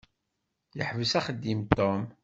Yeḥbes axeddim Tom.